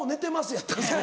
やった。